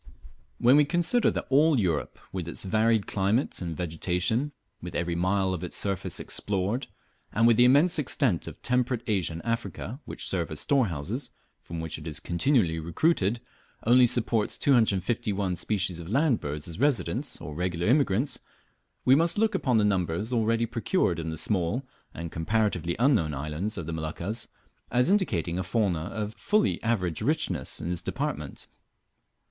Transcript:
When we consider that all Europe, with its varied climate and vegetation, with every mile of its surface explored, and with the immense extent of temperate Asia and Africa, which serve as storehouses, from which it is continually recruited, only supports 251 species of land birds as residents or regular immigrants, we must look upon the numbers already procured in the small and comparatively unknown islands of the Moluccas as indicating a fauna of fully average richness in this department.